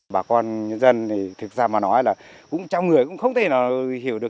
bà con nhân dân thì thực ra mà nói là cũng trong người cũng không thể nào hiểu được